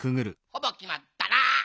ほぼきまったな。